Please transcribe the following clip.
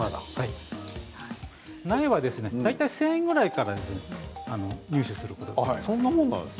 苗は大体１０００円ぐらいから入手することができます。